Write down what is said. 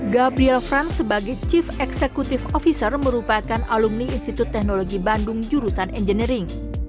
gabriel franz sebagai chief executive officer merupakan alumni institut teknologi bandung jurusan engineering